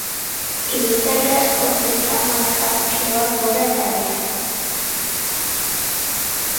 Ibiltari asko pista malkartsua gora eta behera.